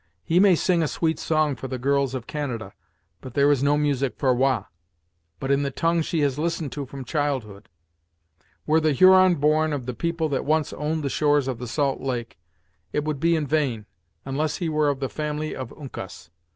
He may sing a sweet song for the girls of Canada, but there is no music for Wah, but in the tongue she has listened to from childhood. Were the Huron born of the people that once owned the shores of the salt lake, it would be in vain, unless he were of the family of Uncas.